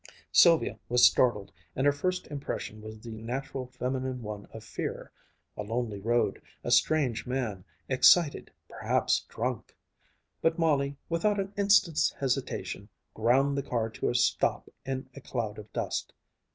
Sylvia was startled and her first impression was the natural feminine one of fear a lonely road, a strange man, excited, perhaps drunk But Molly, without an instant's hesitation, ground the car to a stop in a cloud of dust.